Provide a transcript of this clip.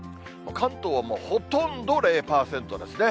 関東はほとんど０％ですね。